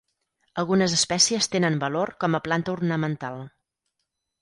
Algunes espècies tenen valor com a planta ornamental.